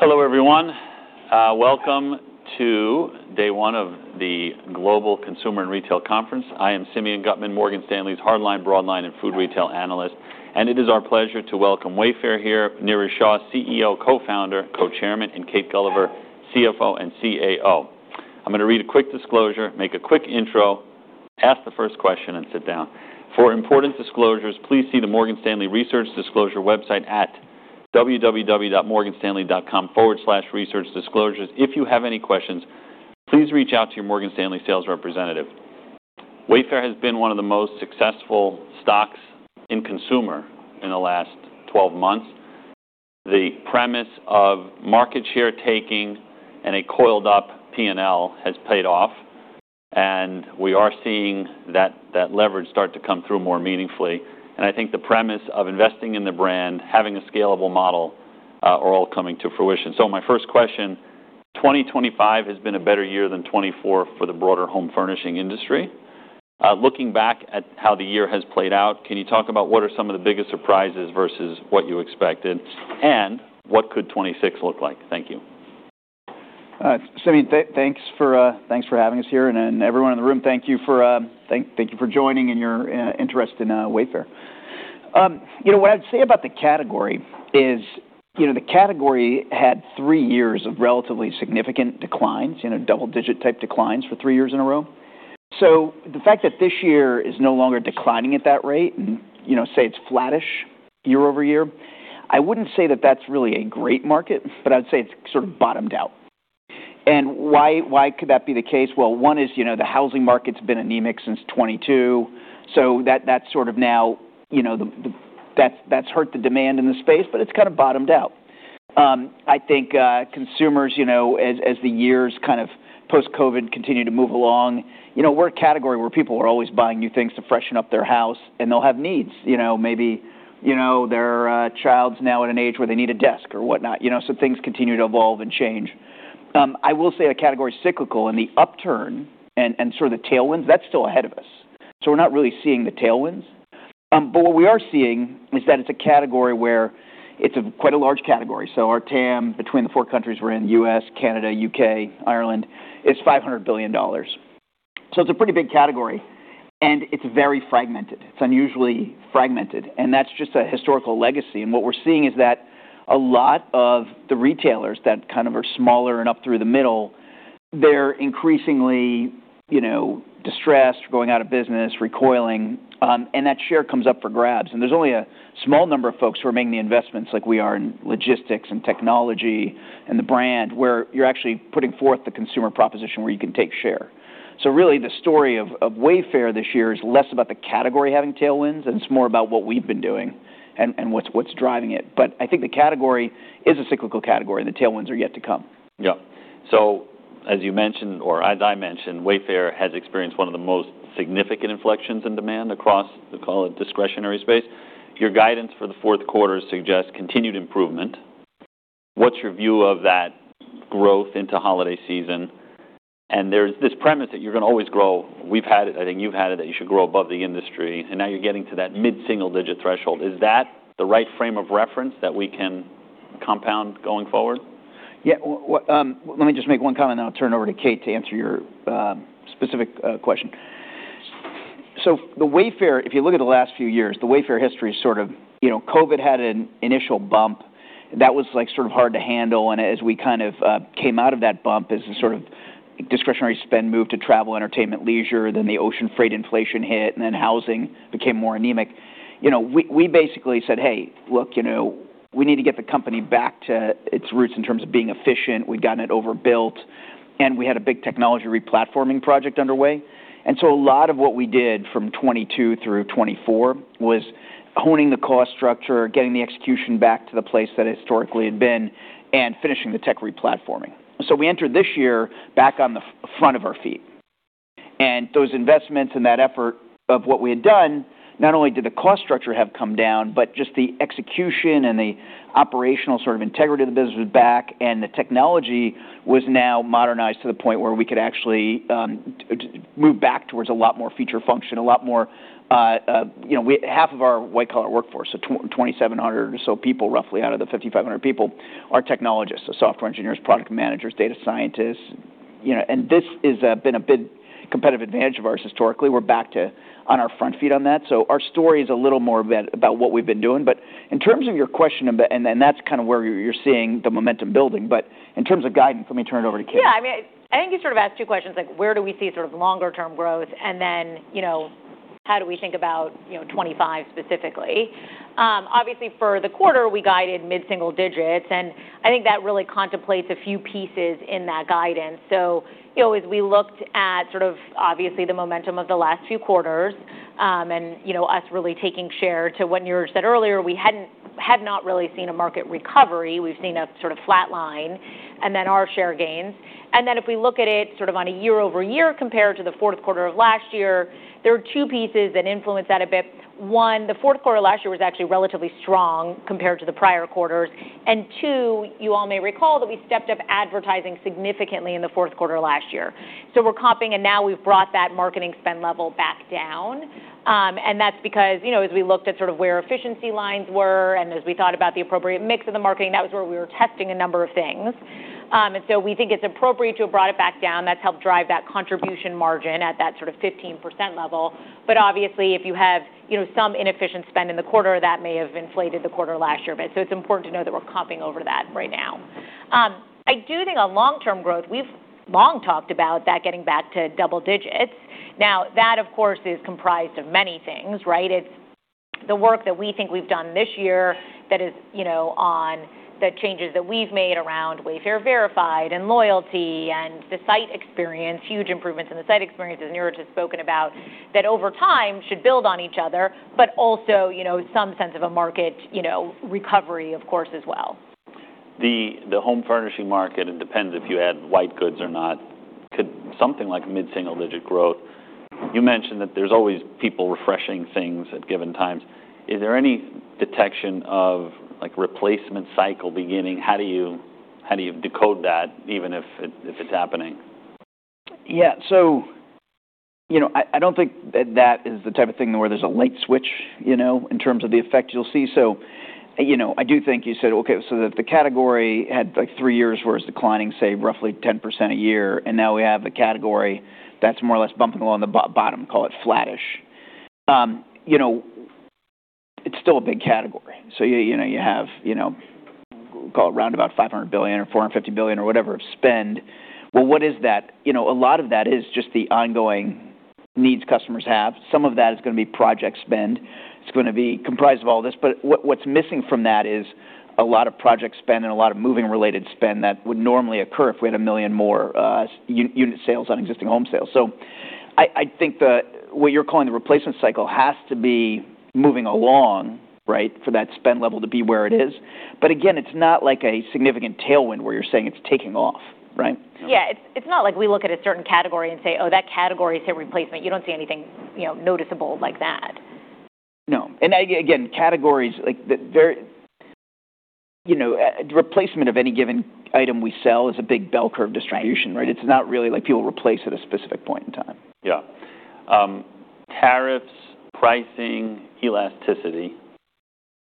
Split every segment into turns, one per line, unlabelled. Hello, everyone. Welcome to day one of the Global Consumer and Retail Conference. I am Simeon Gutman, Morgan Stanley's hardline, broadline, and food retail analyst, and it is our pleasure to welcome Wayfair here, Niraj Shah, CEO, co-founder, co-chairman, and Kate Gulliver, CFO and CAO. I'm going to read a quick disclosure, make a quick intro, ask the first question, and sit down. For important disclosures, please see the Morgan Stanley Research Disclosure website at www.morganstanley.com/researchdisclosures. If you have any questions, please reach out to your Morgan Stanley sales representative. Wayfair has been one of the most successful stocks in consumer in the last 12 months. The premise of market share taking and a coiled-up P&L has paid off, and we are seeing that leverage start to come through more meaningfully. I think the premise of investing in the brand, having a scalable model, are all coming to fruition. My first question: 2025 has been a better year than 2024 for the broader home furnishing industry. Looking back at how the year has played out, can you talk about what are some of the biggest surprises versus what you expected, and what could 2026 look like? Thank you.
Simeon, thanks for having us here, and everyone in the room, thank you for joining and your interest in Wayfair. What I'd say about the category is the category had three years of relatively significant declines, double-digit-type declines for three years in a row. The fact that this year is no longer declining at that rate, and say it's flattish year over year, I wouldn't say that that's really a great market, but I'd say it's sort of bottomed out. Why could that be the case? One is the housing market's been anemic since 2022, so that's sort of now that's hurt the demand in the space, but it's kind of bottomed out. I think consumers, as the years kind of post-COVID continue to move along, we're a category where people are always buying new things to freshen up their house, and they'll have needs. Maybe their child's now at an age where they need a desk or whatnot, so things continue to evolve and change. I will say the category's cyclical, and the upturn and sort of the tailwinds, that's still ahead of us, so we're not really seeing the tailwinds. What we are seeing is that it's a category where it's quite a large category. Our TAM between the four countries we're in—U.S., Canada, U.K., Ireland—is $500 billion. It's a pretty big category, and it's very fragmented. It's unusually fragmented, and that's just a historical legacy. What we're seeing is that a lot of the retailers that kind of are smaller and up through the middle, they're increasingly distressed, going out of business, recoiling, and that share comes up for grabs. There is only a small number of folks who are making the investments like we are in logistics and technology and the brand where you are actually putting forth the consumer proposition where you can take share. Really, the story of Wayfair this year is less about the category having tailwinds, and it is more about what we have been doing and what is driving it. I think the category is a cyclical category, and the tailwinds are yet to come.
Yep. As you mentioned, or as I mentioned, Wayfair has experienced one of the most significant inflections in demand across the, call it, discretionary space. Your guidance for the fourth quarter suggests continued improvement. What's your view of that growth into holiday season? There's this premise that you're going to always grow. We've had it. I think you've had it, that you should grow above the industry, and now you're getting to that mid-single-digit threshold. Is that the right frame of reference that we can compound going forward?
Yeah. Let me just make one comment, and I'll turn it over to Kate to answer your specific question. The Wayfair, if you look at the last few years, the Wayfair history is sort of COVID had an initial bump. That was sort of hard to handle, and as we kind of came out of that bump as a sort of discretionary spend moved to travel, entertainment, leisure, the ocean freight inflation hit, and then housing became more anemic. We basically said, "Hey, look, we need to get the company back to its roots in terms of being efficient. We'd gotten it overbuilt, and we had a big technology replatforming project underway." A lot of what we did from 2022 through 2024 was honing the cost structure, getting the execution back to the place that it historically had been, and finishing the tech replatforming. We entered this year back on the front of our feet. Those investments and that effort of what we had done, not only did the cost structure have come down, but just the execution and the operational sort of integrity of the business was back, and the technology was now modernized to the point where we could actually move back towards a lot more feature function, a lot more half of our white-collar workforce, so 2,700 or so people roughly out of the 5,500 people, are technologists, so software engineers, product managers, data scientists. This has been a big competitive advantage of ours historically. We're back to on our front feet on that. Our story is a little more about what we've been doing. In terms of your question, and that's kind of where you're seeing the momentum building, in terms of guidance, let me turn it over to Kate.
Yeah. I mean, I think you sort of asked two questions, like where do we see sort of longer-term growth, and then how do we think about '25 specifically? Obviously, for the quarter, we guided mid-single digits, and I think that really contemplates a few pieces in that guidance. As we looked at sort of obviously the momentum of the last few quarters and us really taking share to what Niraj said earlier, we had not really seen a market recovery. We've seen a sort of flat line and then our share gains. If we look at it sort of on a year-over-year compared to the fourth quarter of last year, there are two pieces that influence that a bit. One, the fourth quarter last year was actually relatively strong compared to the prior quarters. You all may recall that we stepped up advertising significantly in the fourth quarter last year. We are comping, and now we have brought that marketing spend level back down. That is because as we looked at where efficiency lines were and as we thought about the appropriate mix of the marketing, that was where we were testing a number of things. We think it is appropriate to have brought it back down. That has helped drive that contribution margin at that 15% level. Obviously, if you have some inefficient spend in the quarter, that may have inflated the quarter last year. It is important to know that we are comping over that right now. I do think on long-term growth, we have long talked about that getting back to double digits. That, of course, is comprised of many things, right? It's the work that we think we've done this year that is on the changes that we've made around Wayfair Verified and loyalty and the site experience, huge improvements in the site experience as Niraj has spoken about that over time should build on each other, but also some sense of a market recovery, of course, as well.
The home furnishing market, it depends if you add white goods or not, could something like mid-single digit growth. You mentioned that there's always people refreshing things at given times. Is there any detection of replacement cycle beginning? How do you decode that even if it's happening?
Yeah. I do not think that that is the type of thing where there is a light switch in terms of the effect you will see. I do think you said, "Okay, so the category had three years where it was declining, say, roughly 10% a year, and now we have a category that is more or less bumping along the bottom, call it flattish." It is still a big category. You have, call it, round about $500 billion or $450 billion or whatever of spend. What is that? A lot of that is just the ongoing needs customers have. Some of that is going to be project spend. It is going to be comprised of all this, but what is missing from that is a lot of project spend and a lot of moving-related spend that would normally occur if we had a million more unit sales on existing home sales. I think what you're calling the replacement cycle has to be moving along, right, for that spend level to be where it is. Again, it's not like a significant tailwind where you're saying it's taking off, right?
Yeah. It's not like we look at a certain category and say, "Oh, that category's hit replacement." You don't see anything noticeable like that.
No. Again, categories replacement of any given item we sell is a big bell curve distribution, right? It's not really like people replace at a specific point in time.
Yeah. Tariffs, pricing, elasticity,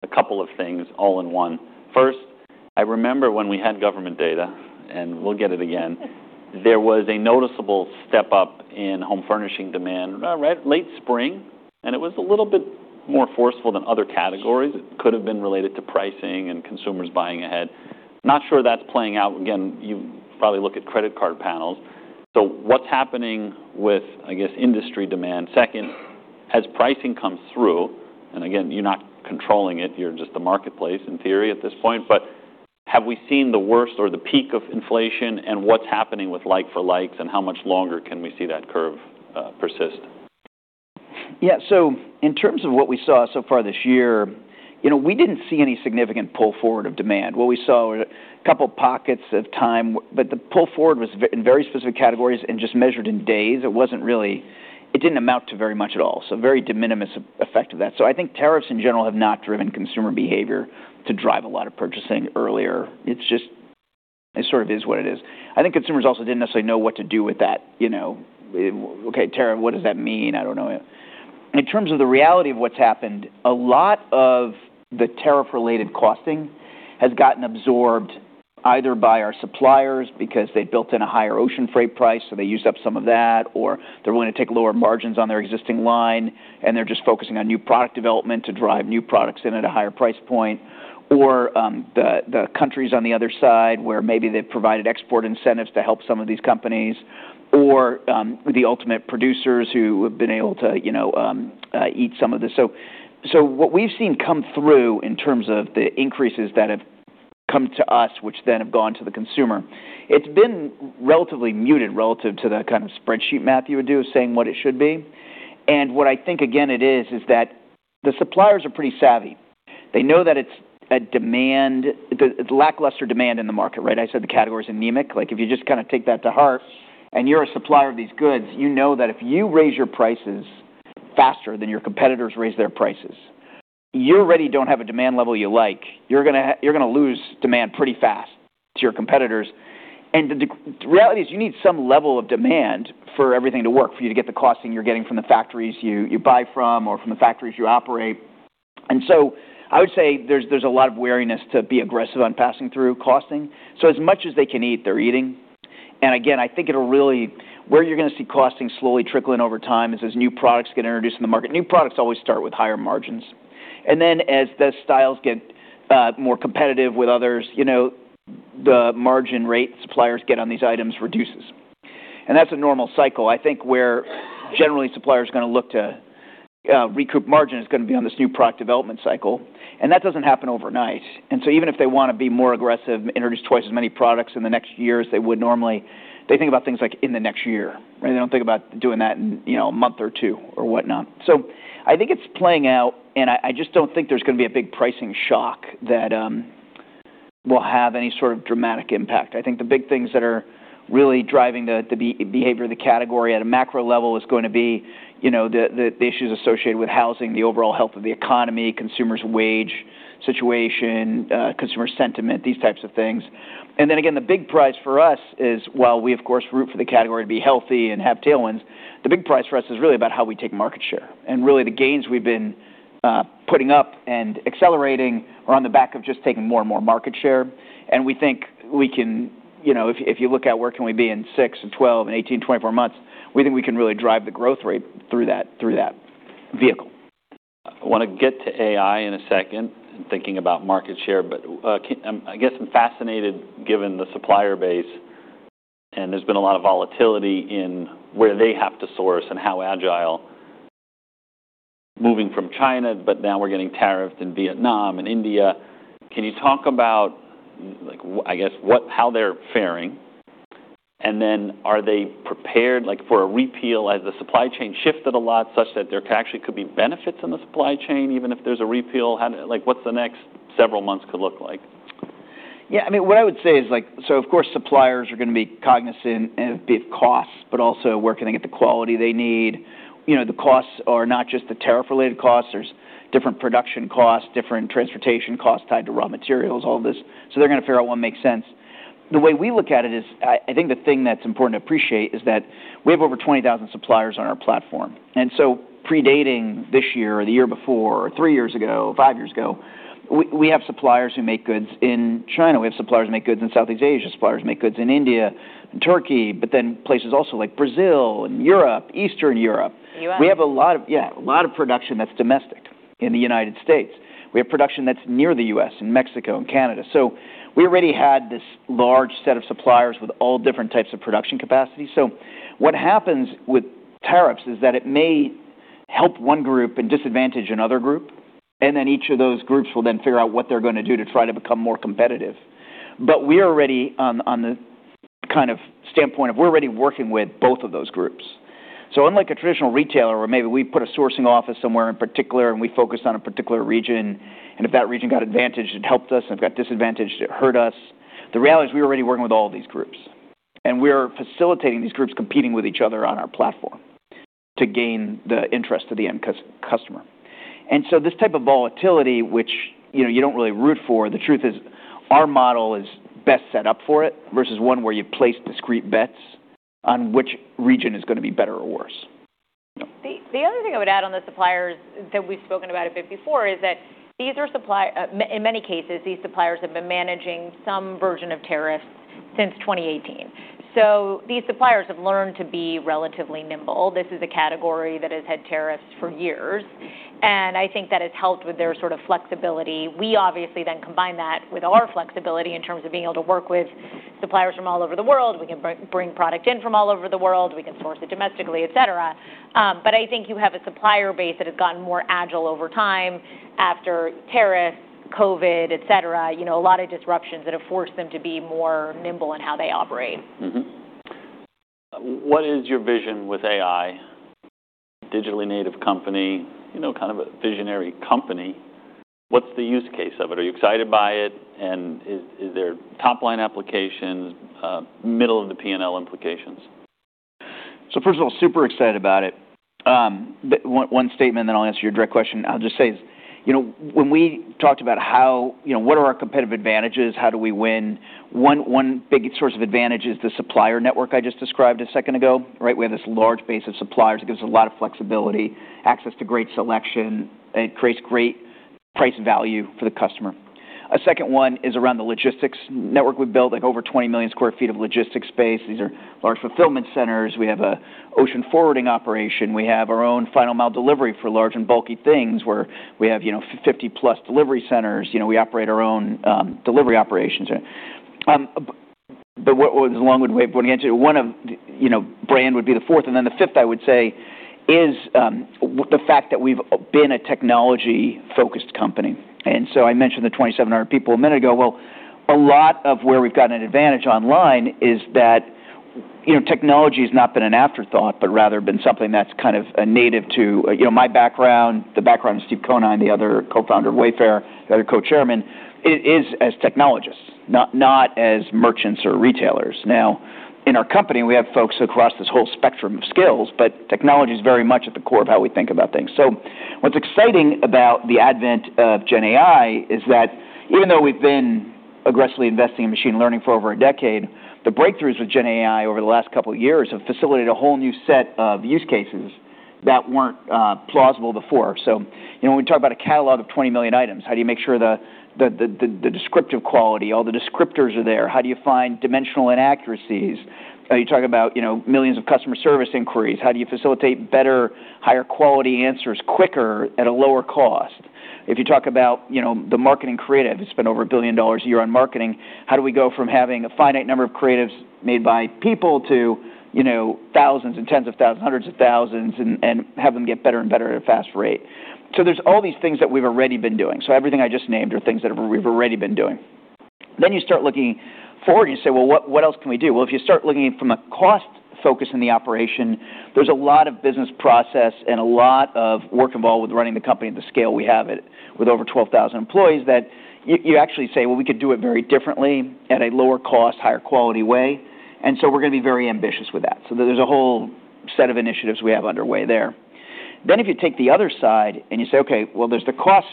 a couple of things all in one. First, I remember when we had government data, and we'll get it again, there was a noticeable step up in home furnishing demand, right, late spring, and it was a little bit more forceful than other categories. It could have been related to pricing and consumers buying ahead. Not sure that's playing out. Again, you probably look at credit card panels. So what's happening with, I guess, industry demand? Second, as pricing comes through, and again, you're not controlling it. You're just the marketplace in theory at this point. Have we seen the worst or the peak of inflation, and what's happening with like-for-likes, and how much longer can we see that curve persist?
Yeah. In terms of what we saw so far this year, we didn't see any significant pull forward of demand. What we saw were a couple of pockets of time, but the pull forward was in very specific categories and just measured in days. It didn't amount to very much at all, so very de minimis effect of that. I think tariffs in general have not driven consumer behavior to drive a lot of purchasing earlier. It sort of is what it is. I think consumers also didn't necessarily know what to do with that. "Okay, tariff, what does that mean? I don't know. In terms of the reality of what's happened, a lot of the tariff-related costing has gotten absorbed either by our suppliers because they built in a higher ocean freight price, so they used up some of that, or they're willing to take lower margins on their existing line, and they're just focusing on new product development to drive new products in at a higher price point, or the countries on the other side where maybe they've provided export incentives to help some of these companies, or the ultimate producers who have been able to eat some of this. What we've seen come through in terms of the increases that have come to us, which then have gone to the consumer, it's been relatively muted relative to the kind of spreadsheet math you would do of saying what it should be. What I think, again, it is, is that the suppliers are pretty savvy. They know that it's a lackluster demand in the market, right? I said the category's anemic. If you just kind of take that to heart and you're a supplier of these goods, you know that if you raise your prices faster than your competitors raise their prices, you already don't have a demand level you like. You're going to lose demand pretty fast to your competitors. The reality is you need some level of demand for everything to work, for you to get the costing you're getting from the factories you buy from or from the factories you operate. I would say there's a lot of wariness to be aggressive on passing through costing. As much as they can eat, they're eating. I think where you're going to see costing slowly trickling over time is as new products get introduced in the market. New products always start with higher margins. Then as the styles get more competitive with others, the margin rate suppliers get on these items reduces. That's a normal cycle. I think where generally suppliers are going to look to recoup margin is going to be on this new product development cycle, and that does not happen overnight. Even if they want to be more aggressive, introduce twice as many products in the next year as they would normally, they think about things like in the next year. They do not think about doing that in a month or two or whatnot. I think it's playing out, and I just don't think there's going to be a big pricing shock that will have any sort of dramatic impact. I think the big things that are really driving the behavior of the category at a macro level is going to be the issues associated with housing, the overall health of the economy, consumers' wage situation, consumer sentiment, these types of things. Again, the big price for us is while we, of course, root for the category to be healthy and have tailwinds, the big price for us is really about how we take market share. Really, the gains we've been putting up and accelerating are on the back of just taking more and more market share. We think we can, if you look at where can we be in 6, 12, 18, 24 months, we think we can really drive the growth rate through that vehicle.
I want to get to AI in a second and thinking about market share, but I guess I'm fascinated given the supplier base, and there's been a lot of volatility in where they have to source and how agile moving from China, but now we're getting tariffed in Vietnam and India. Can you talk about, I guess, how they're faring? Are they prepared for a repeal? Has the supply chain shifted a lot such that there actually could be benefits in the supply chain even if there's a repeal? What could the next several months look like?
Yeah. I mean, what I would say is, of course, suppliers are going to be cognizant of costs, but also where can they get the quality they need? The costs are not just the tariff-related costs. There are different production costs, different transportation costs tied to raw materials, all this. They are going to figure out what makes sense. The way we look at it is I think the thing that's important to appreciate is that we have over 20,000 suppliers on our platform. Predating this year or the year before or three years ago, five years ago, we have suppliers who make goods in China. We have suppliers who make goods in Southeast Asia. Suppliers make goods in India and Turkey, but then places also like Brazil and Europe, Eastern Europe.
You have?
We have a lot of, yeah, a lot of production that's domestic in the United States. We have production that's near the US and Mexico and Canada. We already had this large set of suppliers with all different types of production capacity. What happens with tariffs is that it may help one group and disadvantage another group, and then each of those groups will then figure out what they're going to do to try to become more competitive. We are already on the kind of standpoint of we're already working with both of those groups. Unlike a traditional retailer where maybe we put a sourcing office somewhere in particular and we focus on a particular region, and if that region got advantaged, it helped us, and if it got disadvantaged, it hurt us. The reality is we're already working with all these groups, and we are facilitating these groups competing with each other on our platform to gain the interest of the end customer. This type of volatility, which you don't really root for, the truth is our model is best set up for it versus one where you place discrete bets on which region is going to be better or worse.
The other thing I would add on the suppliers that we've spoken about a bit before is that these are suppliers, in many cases, these suppliers have been managing some version of tariffs since 2018. These suppliers have learned to be relatively nimble. This is a category that has had tariffs for years, and I think that has helped with their sort of flexibility. We obviously then combine that with our flexibility in terms of being able to work with suppliers from all over the world. We can bring product in from all over the world. We can source it domestically, etc. I think you have a supplier base that has gotten more agile over time after tariffs, COVID, etc., a lot of disruptions that have forced them to be more nimble in how they operate.
What is your vision with AI? Digitally native company, kind of a visionary company. What's the use case of it? Are you excited by it? And is there top-line applications, middle-of-the-P&L implications?
First of all, super excited about it. One statement, then I'll answer your direct question. I'll just say is when we talked about what are our competitive advantages, how do we win? One big source of advantage is the supplier network I just described a second ago, right? We have this large base of suppliers. It gives us a lot of flexibility, access to great selection, and creates great price value for the customer. A second one is around the logistics network we've built, like over 20 million sq ft of logistics space. These are large fulfillment centers. We have an ocean forwarding operation. We have our own final-mile delivery for large and bulky things where we have 50-plus delivery centers. We operate our own delivery operations. Along with Wayfair, one of brand would be the fourth, and then the fifth, I would say, is the fact that we've been a technology-focused company. I mentioned the 2,700 people a minute ago. A lot of where we've gotten an advantage online is that technology has not been an afterthought, but rather been something that's kind of native to my background, the background of Steve Conine, the other co-founder of Wayfair, the other co-chairman, is as technologists, not as merchants or retailers. Now, in our company, we have folks across this whole spectrum of skills, but technology is very much at the core of how we think about things. What's exciting about the advent of GenAI is that even though we've been aggressively investing in machine learning for over a decade, the breakthroughs with GenAI over the last couple of years have facilitated a whole new set of use cases that weren't plausible before. When we talk about a catalog of 20 million items, how do you make sure the descriptive quality, all the descriptors are there? How do you find dimensional inaccuracies? Are you talking about millions of customer service inquiries? How do you facilitate better, higher quality answers quicker at a lower cost? If you talk about the marketing creative, it's been over $1 billion a year on marketing. How do we go from having a finite number of creatives made by people to thousands and tens of thousands, hundreds of thousands, and have them get better and better at a fast rate? There are all these things that we've already been doing. Everything I just named are things that we've already been doing. You start looking forward and you say, "Well, what else can we do?" If you start looking from a cost focus in the operation, there is a lot of business process and a lot of work involved with running the company at the scale we have it with over 12,000 employees that you actually say, "Well, we could do it very differently at a lower cost, higher quality way." We are going to be very ambitious with that. There is a whole set of initiatives we have underway there. If you take the other side and you say, "Okay, there is the cost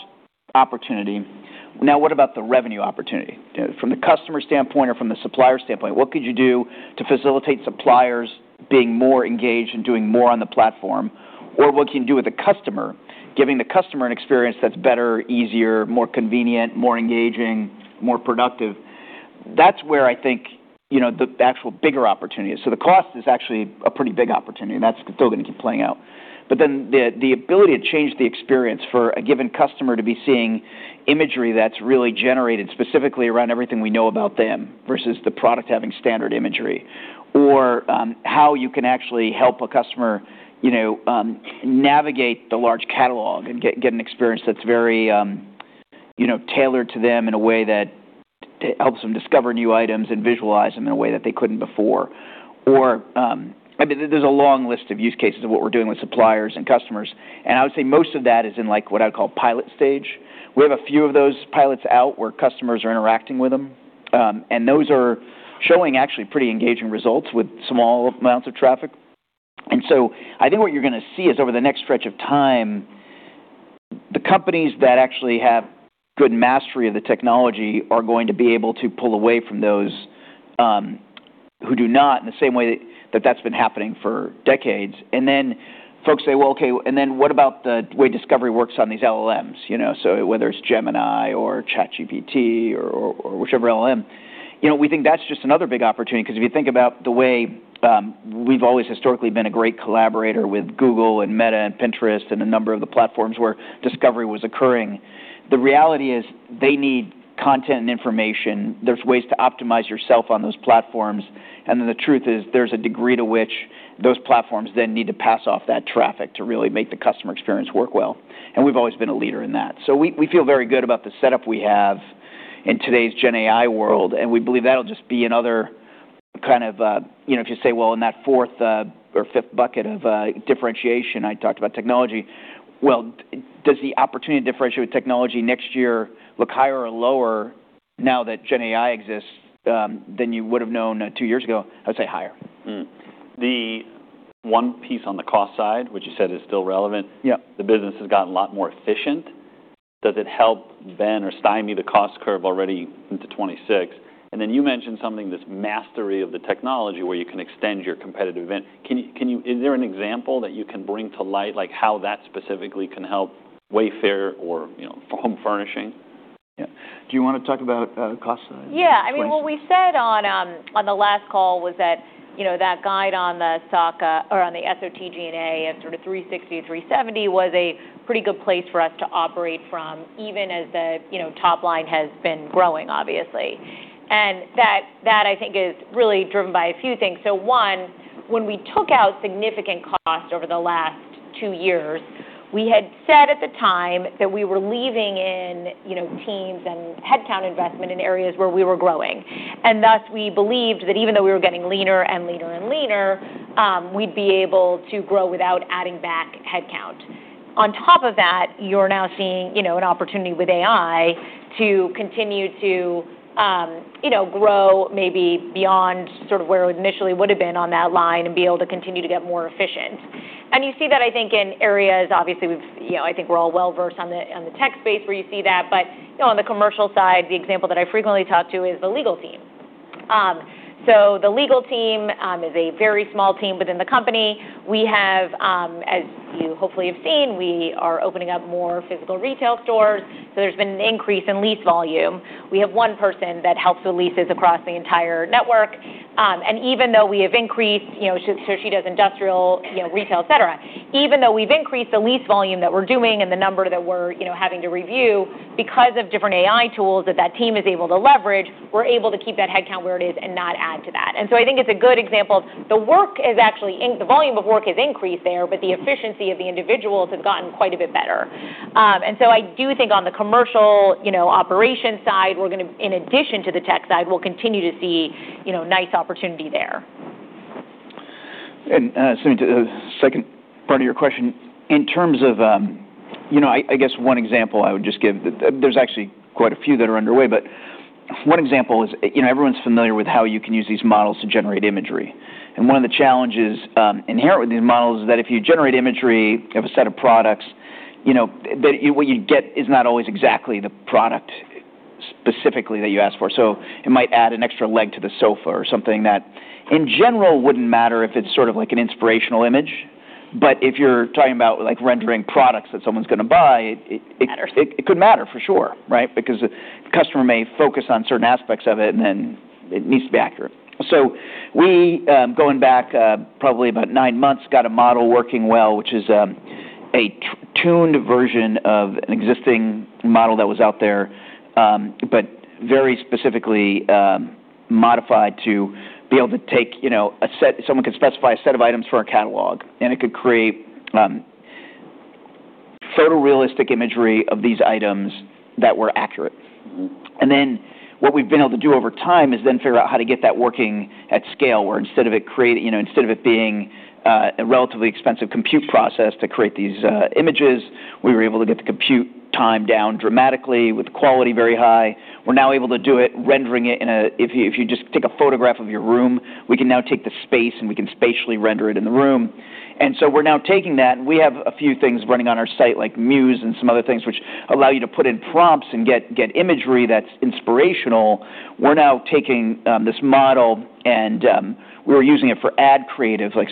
opportunity. Now, what about the revenue opportunity? From the customer standpoint or from the supplier standpoint, what could you do to facilitate suppliers being more engaged and doing more on the platform? Or what can you do with the customer, giving the customer an experience that's better, easier, more convenient, more engaging, more productive? That's where I think the actual bigger opportunity is. The cost is actually a pretty big opportunity, and that's still going to keep playing out. The ability to change the experience for a given customer to be seeing imagery that's really generated specifically around everything we know about them versus the product having standard imagery, or how you can actually help a customer navigate the large catalog and get an experience that's very tailored to them in a way that helps them discover new items and visualize them in a way that they couldn't before. I mean, there's a long list of use cases of what we're doing with suppliers and customers. I would say most of that is in what I would call pilot stage. We have a few of those pilots out where customers are interacting with them, and those are showing actually pretty engaging results with small amounts of traffic. I think what you're going to see is over the next stretch of time, the companies that actually have good mastery of the technology are going to be able to pull away from those who do not in the same way that that's been happening for decades. Folks say, "Well, okay, and then what about the way discovery works on these LLMs?" Whether it's Gemini or ChatGPT or whichever LLM, we think that's just another big opportunity because if you think about the way we've always historically been a great collaborator with Google and Meta and Pinterest and a number of the platforms where discovery was occurring, the reality is they need content and information. There's ways to optimize yourself on those platforms. The truth is there's a degree to which those platforms then need to pass off that traffic to really make the customer experience work well. We've always been a leader in that. We feel very good about the setup we have in today's GenAI world, and we believe that'll just be another kind of, if you say, "In that fourth or fifth bucket of differentiation," I talked about technology. Does the opportunity to differentiate with technology next year look higher or lower now that GenAI exists than you would have known two years ago? I would say higher.
The one piece on the cost side, which you said is still relevant, the business has gotten a lot more efficient. Does it help bend or stymie the cost curve already into 2026? You mentioned something, this mastery of the technology where you can extend your competitive event. Is there an example that you can bring to light how that specifically can help Wayfair or home furnishing? Yeah. Do you want to talk about cost?
Yeah. I mean, what we said on the last call was that that guide on the SG&A of sort of $360 million-$370 million was a pretty good place for us to operate from even as the top line has been growing, obviously. That, I think, is really driven by a few things. One, when we took out significant costs over the last two years, we had said at the time that we were leaving in teams and headcount investment in areas where we were growing. Thus, we believed that even though we were getting leaner and leaner and leaner, we'd be able to grow without adding back headcount. On top of that, you're now seeing an opportunity with AI to continue to grow maybe beyond sort of where it initially would have been on that line and be able to continue to get more efficient. You see that, I think, in areas obviously I think we're all well-versed on the tech space where you see that. On the commercial side, the example that I frequently talk to is the legal team. The legal team is a very small team within the company. We have, as you hopefully have seen, we are opening up more physical retail stores. There has been an increase in lease volume. We have one person that helps with leases across the entire network. Even though we have increased, she does industrial, retail, etc. Even though we've increased the lease volume that we're doing and the number that we're having to review because of different AI tools that that team is able to leverage, we're able to keep that headcount where it is and not add to that. I think it's a good example. The work is actually the volume of work has increased there, but the efficiency of the individuals has gotten quite a bit better. I do think on the commercial operation side, in addition to the tech side, we'll continue to see nice opportunity there.
Second part of your question, in terms of I guess one example I would just give, there's actually quite a few that are underway, but one example is everyone's familiar with how you can use these models to generate imagery. One of the challenges inherent with these models is that if you generate imagery of a set of products, what you get is not always exactly the product specifically that you asked for. It might add an extra leg to the sofa or something that in general wouldn't matter if it's sort of like an inspirational image. If you're talking about rendering products that someone's going to buy, it could matter for sure, right? Because the customer may focus on certain aspects of it, and then it needs to be accurate. We, going back probably about nine months, got a model working well, which is a tuned version of an existing model that was out there, but very specifically modified to be able to take a set someone could specify a set of items for a catalog, and it could create photorealistic imagery of these items that were accurate. What we've been able to do over time is then figure out how to get that working at scale where instead of it creating, instead of it being a relatively expensive compute process to create these images, we were able to get the compute time down dramatically with quality very high. We're now able to do it, rendering it in a, if you just take a photograph of your room, we can now take the space and we can spatially render it in the room. We're now taking that. We have a few things running on our site, like Muse and some other things, which allow you to put in prompts and get imagery that's inspirational. We're now taking this model and we're using it for ad creative, like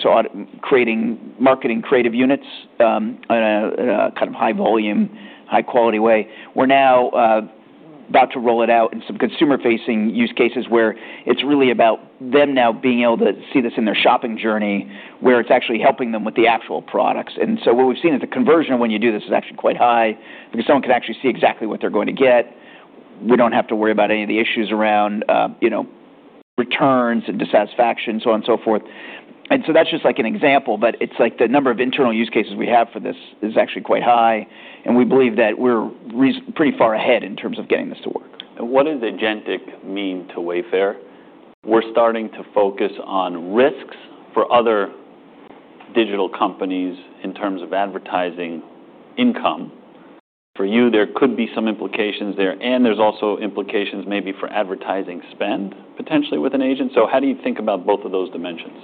creating marketing creative units in a kind of high-volume, high-quality way. We're now about to roll it out in some consumer-facing use cases where it's really about them now being able to see this in their shopping journey where it's actually helping them with the actual products. What we've seen is the conversion when you do this is actually quite high because someone can actually see exactly what they're going to get. We don't have to worry about any of the issues around returns and dissatisfaction, so on and so forth. That's just like an example, but it's like the number of internal use cases we have for this is actually quite high. We believe that we're pretty far ahead in terms of getting this to work.
What does Agentic mean to Wayfair? We're starting to focus on risks for other digital companies in terms of advertising income. For you, there could be some implications there, and there's also implications maybe for advertising spend potentially with an agent. How do you think about both of those dimensions?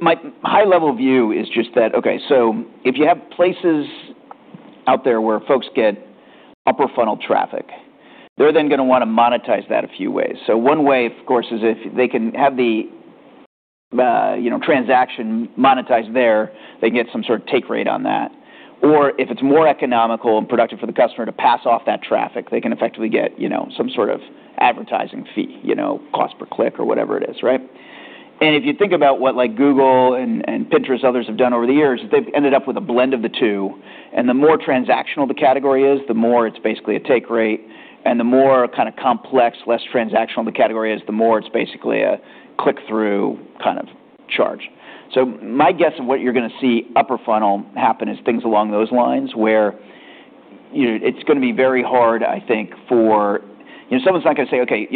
My high-level view is just that, okay, if you have places out there where folks get upper-funnel traffic, they're then going to want to monetize that a few ways. One way, of course, is if they can have the transaction monetized there, they can get some sort of take rate on that. If it's more economical and productive for the customer to pass off that traffic, they can effectively get some sort of advertising fee, cost per click or whatever it is, right? If you think about what Google and Pinterest and others have done over the years, they've ended up with a blend of the two. The more transactional the category is, the more it's basically a take rate. The more kind of complex, less transactional the category is, the more it's basically a click-through kind of charge. My guess of what you're going to see upper-funnel happen is things along those lines where it's going to be very hard, I think, for someone's not going to say, "Okay,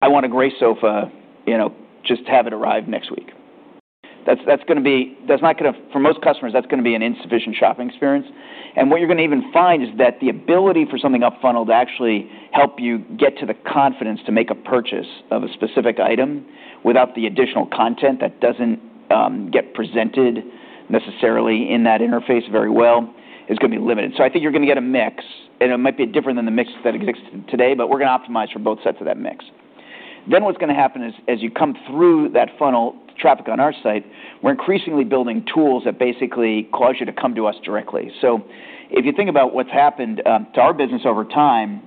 I want a gray sofa, just have it arrive next week." That's going to be that's not going to for most customers, that's going to be an insufficient shopping experience. What you're going to even find is that the ability for something up-funneled to actually help you get to the confidence to make a purchase of a specific item without the additional content that doesn't get presented necessarily in that interface very well is going to be limited. I think you're going to get a mix, and it might be different than the mix that exists today, but we're going to optimize for both sets of that mix. What is going to happen is as you come through that funnel traffic on our site, we're increasingly building tools that basically cause you to come to us directly. If you think about what's happened to our business over time,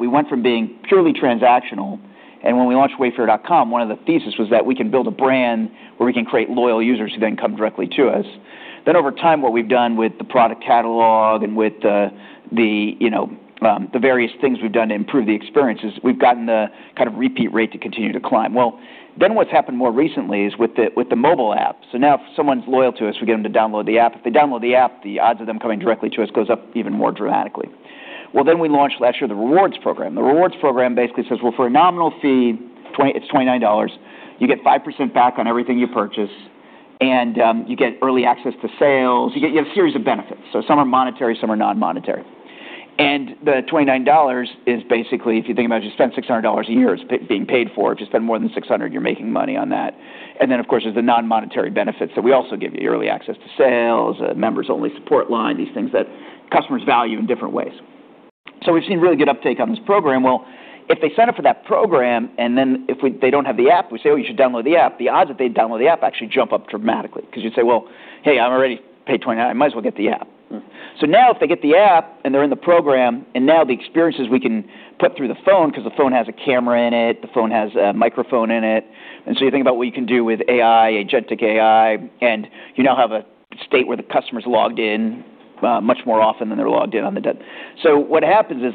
we went from being purely transactional. When we launched Wayfair.com, one of the theses was that we can build a brand where we can create loyal users who then come directly to us. Over time, what we've done with the product catalog and with the various things we've done to improve the experience is we've gotten the kind of repeat rate to continue to climb. What has happened more recently is with the mobile app. Now if someone's loyal to us, we get them to download the app. If they download the app, the odds of them coming directly to us goes up even more dramatically. We launched last year the rewards program. The rewards program basically says, "For a nominal fee, it's $29, you get 5% back on everything you purchase, and you get early access to sales." You have a series of benefits. Some are monetary, some are non-monetary. The $29 is basically, if you think about it, you spend $600 a year being paid for. If you spend more than $600, you're making money on that. Of course, there are the non-monetary benefits that we also give you: early access to sales, a members-only support line, these things that customers value in different ways. We've seen really good uptake on this program. If they sign up for that program, and then if they don't have the app, we say, "Oh, you should download the app." The odds that they'd download the app actually jump up dramatically because you'd say, "Well, hey, I already paid $29. I might as well get the app." Now if they get the app and they're in the program, the experiences we can put through the phone because the phone has a camera in it, the phone has a microphone in it. You think about what you can do with AI, Agentic AI, and you now have a state where the customer's logged in much more often than they're logged in on the dead. What happens is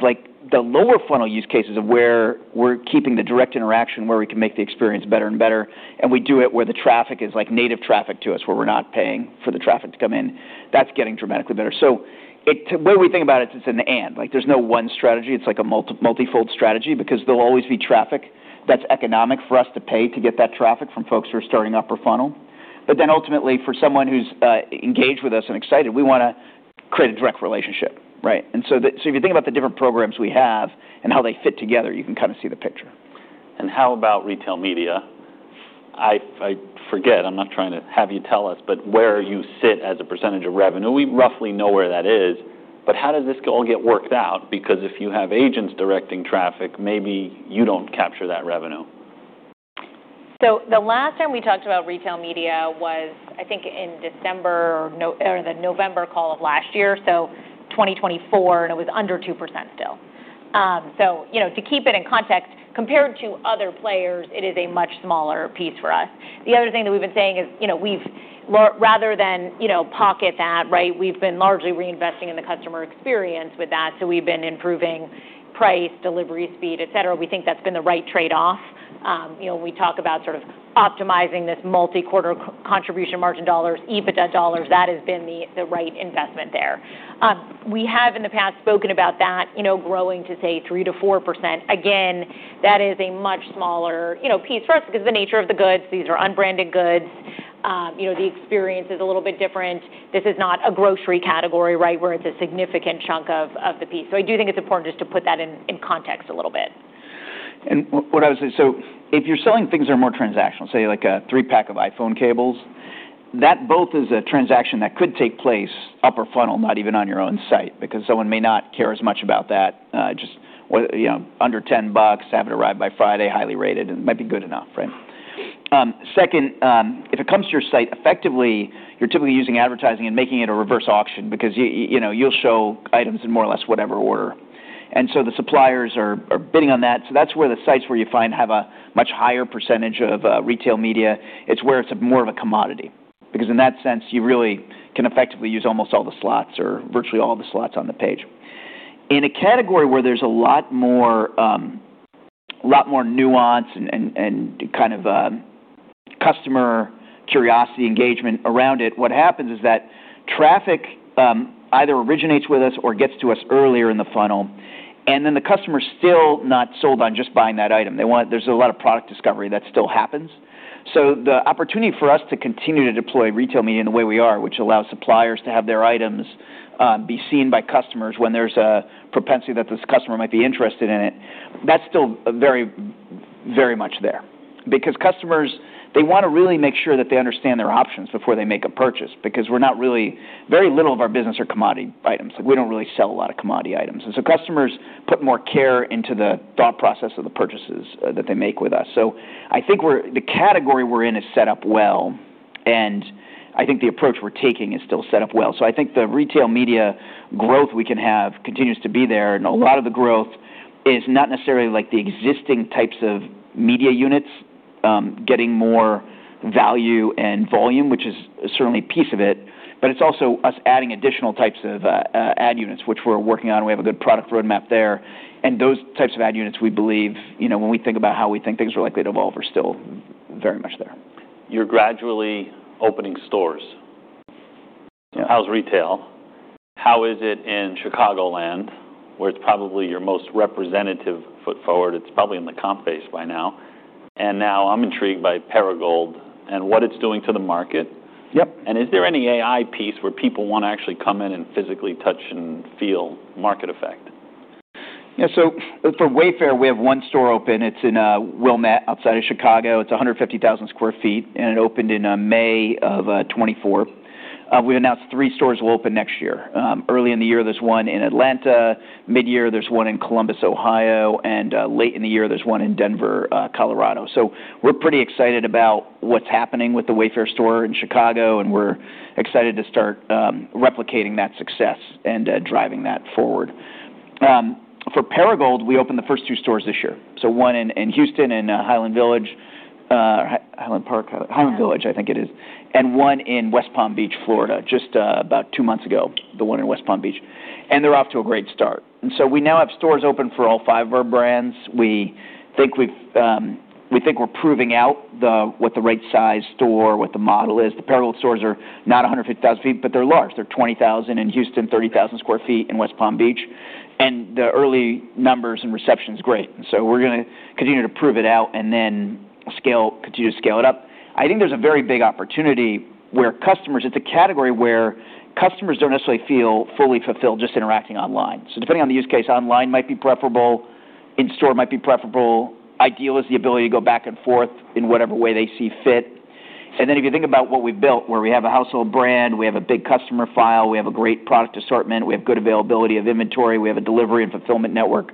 the lower-funnel use cases of where we're keeping the direct interaction where we can make the experience better and better, and we do it where the traffic is like native traffic to us where we're not paying for the traffic to come in, that's getting dramatically better. The way we think about it, it's an and. There's no one strategy. It's like a multifold strategy because there'll always be traffic that's economic for us to pay to get that traffic from folks who are starting upper-funnel. Ultimately, for someone who's engaged with us and excited, we want to create a direct relationship, right? If you think about the different programs we have and how they fit together, you can kind of see the picture.
How about retail media? I forget. I'm not trying to have you tell us, but where you sit as a percentage of revenue. We roughly know where that is. How does this all get worked out? Because if you have agents directing traffic, maybe you don't capture that revenue.
The last time we talked about retail media was, I think, in December or the November call of last year, so 2024, and it was under 2% still. To keep it in context, compared to other players, it is a much smaller piece for us. The other thing that we've been saying is rather than pocket that, right, we've been largely reinvesting in the customer experience with that. We've been improving price, delivery speed, etc. We think that's been the right trade-off. We talk about sort of optimizing this multi-quarter contribution margin dollars, EBITDA dollars. That has been the right investment there. We have in the past spoken about that growing to say 3-4%. Again, that is a much smaller piece for us because of the nature of the goods. These are unbranded goods. The experience is a little bit different. This is not a grocery category, right, where it's a significant chunk of the piece. I do think it's important just to put that in context a little bit.
What I was saying, if you're selling things that are more transactional, say like a three-pack of iPhone cables, that both is a transaction that could take place upper-funnel, not even on your own site because someone may not care as much about that. Just under $10, have it arrive by Friday, highly rated, and it might be good enough, right? Second, if it comes to your site, effectively, you're typically using advertising and making it a reverse auction because you'll show items in more or less whatever order. The suppliers are bidding on that. That's where the sites where you find have a much higher percentage of retail media. It's where it's more of a commodity because in that sense, you really can effectively use almost all the slots or virtually all the slots on the page. In a category where there's a lot more nuance and kind of customer curiosity engagement around it, what happens is that traffic either originates with us or gets to us earlier in the funnel, and then the customer's still not sold on just buying that item. There's a lot of product discovery that still happens. The opportunity for us to continue to deploy retail media in the way we are, which allows suppliers to have their items be seen by customers when there's a propensity that this customer might be interested in it, that's still very, very much there because customers, they want to really make sure that they understand their options before they make a purchase because we're not really, very little of our business are commodity items. We don't really sell a lot of commodity items. Customers put more care into the thought process of the purchases that they make with us. I think the category we're in is set up well, and I think the approach we're taking is still set up well. I think the retail media growth we can have continues to be there. A lot of the growth is not necessarily like the existing types of media units getting more value and volume, which is certainly a piece of it, but it's also us adding additional types of ad units, which we're working on. We have a good product roadmap there. Those types of ad units, we believe, when we think about how we think things are likely to evolve, are still very much there.
You're gradually opening stores. How's retail? How is it in Chicagoland, where it's probably your most representative foot forward? It's probably in the comp base by now. I'm intrigued by Perigold and what it's doing to the market. Is there any AI piece where people want to actually come in and physically touch and feel market effect?
Yeah. So for Wayfair, we have one store open. It's in Wilmette outside of Chicago. It's 150,000 sq ft, and it opened in May of 2024. We announced three stores will open next year. Early in the year, there's one in Atlanta. Mid-year, there's one in Columbus, Ohio. Late in the year, there's one in Denver, Colorado. We're pretty excited about what's happening with the Wayfair store in Chicago, and we're excited to start replicating that success and driving that forward. For Perigold, we opened the first two stores this year. One in Houston in Highland Village, Highland Park, Highland Village, I think it is, and one in West Palm Beach, Florida, just about two months ago, the one in West Palm Beach. They're off to a great start. We now have stores open for all five of our brands. We think we're proving out what the right size store, what the model is. The Perigold stores are not 150,000 sq ft, but they're large. They're 20,000 in Houston, 30,000 sq ft in West Palm Beach. The early numbers and reception is great. We're going to continue to prove it out and then continue to scale it up. I think there's a very big opportunity where customers, it's a category where customers don't necessarily feel fully fulfilled just interacting online. Depending on the use case, online might be preferable. In-store might be preferable. Ideal is the ability to go back and forth in whatever way they see fit. If you think about what we've built, where we have a household brand, we have a big customer file, we have a great product assortment, we have good availability of inventory, we have a delivery and fulfillment network.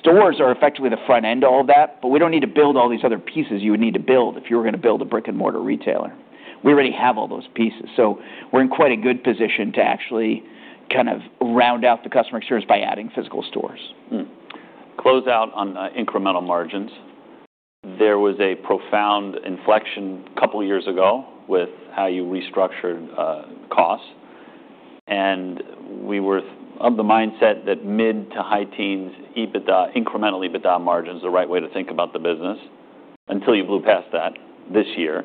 Stores are effectively the front end of all that, but we don't need to build all these other pieces you would need to build if you were going to build a brick-and-mortar retailer. We already have all those pieces. We are in quite a good position to actually kind of round out the customer experience by adding physical stores.
Close out on incremental margins. There was a profound inflection a couple of years ago with how you restructured costs. We were of the mindset that mid to high teens, incremental EBITDA margin is the right way to think about the business until you blew past that this year.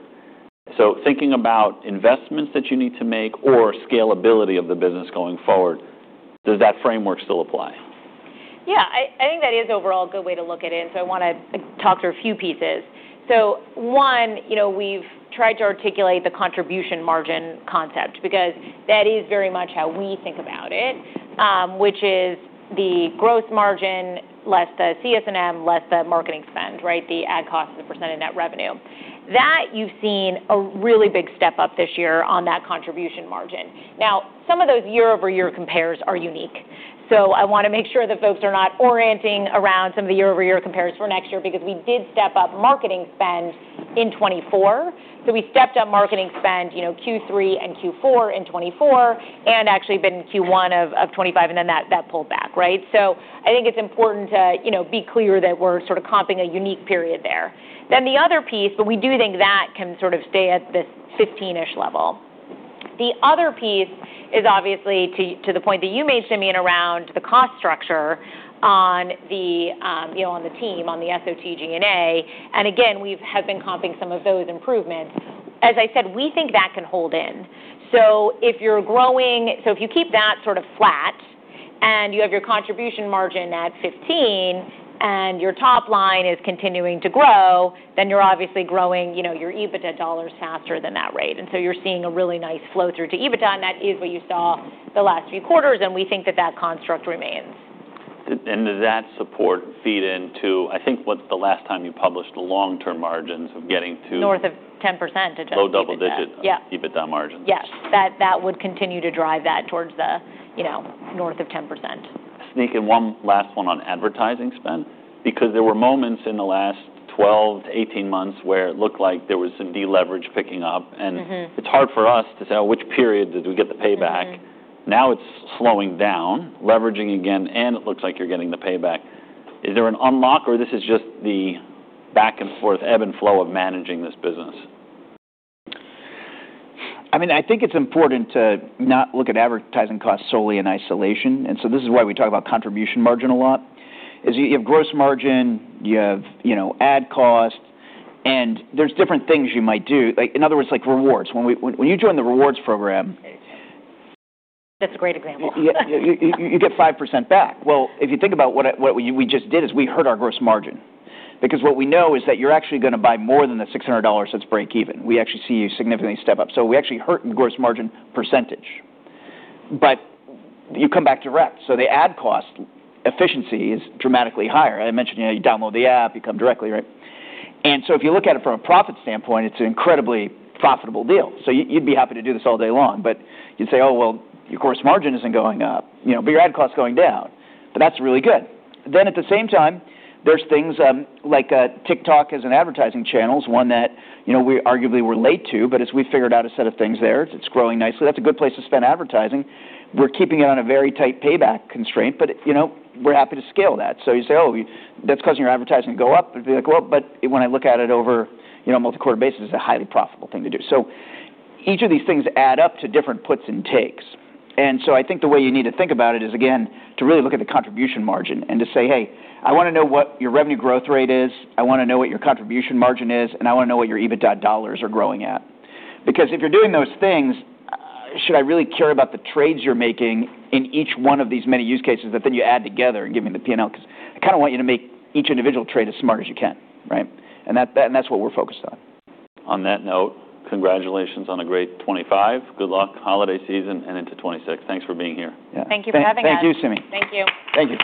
Thinking about investments that you need to make or scalability of the business going forward, does that framework still apply?
Yeah. I think that is overall a good way to look at it. I want to talk through a few pieces. One, we've tried to articulate the contribution margin concept because that is very much how we think about it, which is the gross margin less the CS&M, less the marketing spend, right? The ad cost is a % of net revenue. You've seen a really big step up this year on that contribution margin. Now, some of those year-over-year compares are unique. I want to make sure that folks are not orienting around some of the year-over-year compares for next year because we did step up marketing spend in 2024. We stepped up marketing spend Q3 and Q4 in 2024 and actually in Q1 of 2025, and then that pulled back, right? I think it's important to be clear that we're sort of comping a unique period there. The other piece, but we do think that can sort of stay at this 15%-ish level. The other piece is obviously to the point that you made, Simeon, around the cost structure on the team, on the SG&A. Again, we have been comping some of those improvements. As I said, we think that can hold in. If you're growing, if you keep that sort of flat and you have your contribution margin at 15% and your top line is continuing to grow, then you're obviously growing your EBITDA dollars faster than that rate. You're seeing a really nice flow through to EBITDA, and that is what you saw the last few quarters. We think that that construct remains.
Does that support feed into, I think, what's the last time you published the long-term margins of getting to?
North of 10%, adjusted down.
Low double-digit EBITDA margins.
Yes. That would continue to drive that towards the north of 10%.
Sneak in one last one on advertising spend because there were moments in the last 12 to 18 months where it looked like there was some deleverage picking up. It's hard for us to say, "Oh, which period did we get the payback?" Now it's slowing down, leveraging again, and it looks like you're getting the payback. Is there an unlock, or this is just the back-and-forth ebb and flow of managing this business?
I mean, I think it's important to not look at advertising costs solely in isolation. This is why we talk about contribution margin a lot. You have gross margin, you have ad cost, and there's different things you might do. In other words, like rewards. When you join the rewards program.
That's a great example.
You get 5% back. If you think about what we just did, we hurt our gross margin because what we know is that you're actually going to buy more than the $600 that's break-even. We actually see you significantly step up. We actually hurt the gross margin percentage, but you come back direct. The ad cost efficiency is dramatically higher. I mentioned you download the app, you come directly, right? If you look at it from a profit standpoint, it's an incredibly profitable deal. You'd be happy to do this all day long, but you'd say, "Oh, your gross margin isn't going up, but your ad cost is going down." That's really good. At the same time, there's things like TikTok as an advertising channel is one that we arguably were late to, but as we figured out a set of things there, it's growing nicely. That's a good place to spend advertising. We're keeping it on a very tight payback constraint, but we're happy to scale that. You say, "Oh, that's causing your advertising to go up." It'd be like, "Well, but when I look at it over a multi-quarter basis, it's a highly profitable thing to do." Each of these things add up to different puts and takes. I think the way you need to think about it is, again, to really look at the contribution margin and to say, "Hey, I want to know what your revenue growth rate is. I want to know what your contribution margin is, and I want to know what your EBITDA dollars are growing at. Because if you're doing those things, should I really care about the trades you're making in each one of these many use cases that then you add together and give me the P&L? Because I kind of want you to make each individual trade as smart as you can, right? That's what we're focused on.
On that note, congratulations on a great 2025. Good luck, holiday season, and into 2026. Thanks for being here.
Thank you for having us.
Thank you, Simeon.
Thank you.
Thank you.